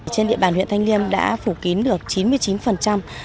trên địa bàn huyện thanh liêm đã phủ kín được chín mươi chín số công dân